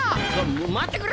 待ってくれ！